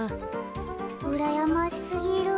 うらやましすぎる。